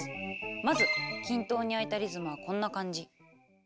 まず均等に空いたリズムはこんな感じ。